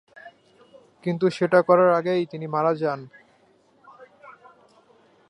কিন্তু সেটা করার আগেই তিনি মারা যান।